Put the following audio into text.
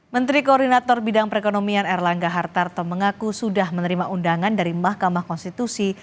menteri koordinator bidang perekonomian erlangga hartarto mengaku sudah menerima undangan dari mahkamah konstitusi